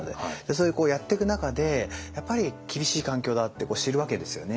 それでこうやってく中でやっぱり厳しい環境だって知るわけですよね。